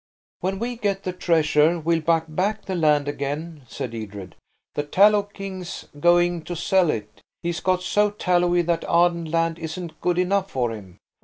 "When we get the treasure we'll buy back the land again," said Edred. "The Tallow King's going to sell it. He's got so tallowy that Arden land isn't good enough for him.